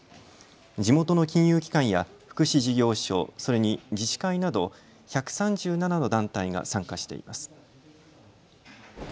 地元の金融機関や福祉事業所、それに自治会など１３７の団体が参加しています。